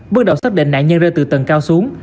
bước đầu xác định nạn nhân rơi từ tầng cao xuống